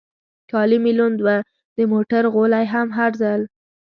کالي مې لوند و، د موټر غولی هم هر ځل.